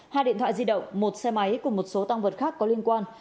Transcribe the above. hai điện thoại di động một xe máy cùng một số tăng vật khác có liên quan